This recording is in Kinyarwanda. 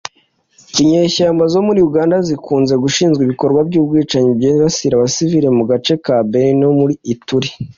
Inyeshyamba zo muri Uganda zikunze gushinjwa ibikorwa by’ubwicanyi byibasira abasivile mu gace ka Beni no muri Ituri